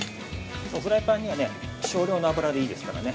フライパンには少量の油でいいですからね。